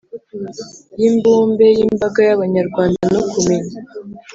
y’imbumbe y’imbaga y’Abanyarwanda, no kumenya